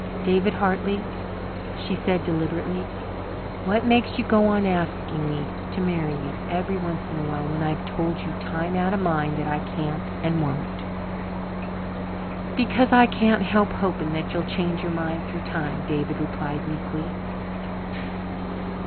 "David Hartley," she said deliberately, "what makes you go on asking me to marry you every once in a while when I've told you times out of mind that I can't and won't?" "Because I can't help hoping that you'll change your mind through time," David replied meekly.